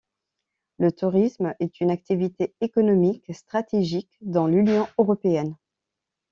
Le tourisme est une activité économique stratégique dans l’Union européenne.